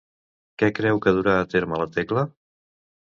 Què creu que durà a terme la Tecla?